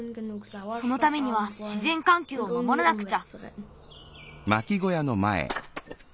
そのためにはしぜんかんきょうを守らなくちゃ。